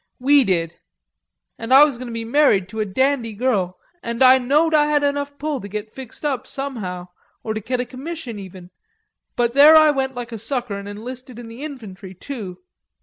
We did.... And I was going to be married to a dandy girl, and I knowed I had enough pull to get fixed up, somehow, or to get a commission even, but there I went like a sucker an' enlisted in the infantry, too....